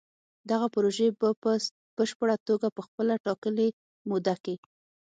دغه پروژې به په پشپړه توګه په خپله ټاکلې موده کې